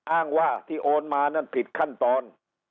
อ้างว่าที่โอนมานั่นผิดขั้นตอน